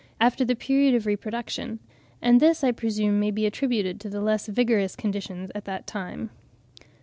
after the period of reproduction; and this I presume may be attributed to their less vigorous condition at that time.